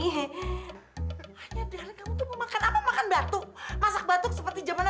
hai dan sampai jumpa